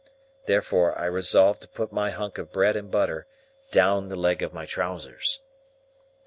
Therefore I resolved to put my hunk of bread and butter down the leg of my trousers.